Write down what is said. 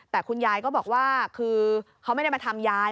แต่คุณยายก็บอกว่าคือเขาไม่ได้มาทำยาย